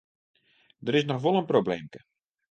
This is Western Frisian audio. Der is noch wol in probleemke.